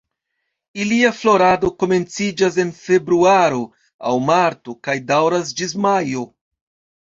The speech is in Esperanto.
Ilia florado komenciĝas en Februaro aŭ Marto kaj daŭras ĝis Majo.